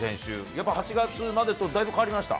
やっぱり８月までとだいぶ変わりました？